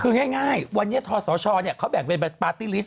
คือง่ายวันนี้ทศชเขาแบ่งเป็นปาร์ตี้ลิสต